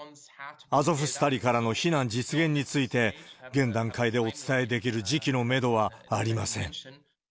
アゾフスタリからの避難実現について、現段階でお伝えできる時期のメドはありません。